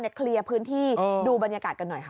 เคลียร์พื้นที่ดูบรรยากาศกันหน่อยค่ะ